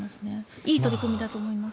いい取り組みだと思います。